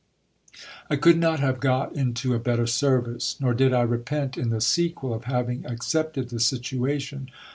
I could not have got into a better service ; nor did I repent in the sequel of hiving accepted the situation.